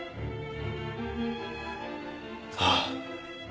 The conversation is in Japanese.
ああ。